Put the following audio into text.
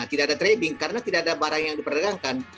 tidak ada trading karena tidak ada barang yang diperdagangkan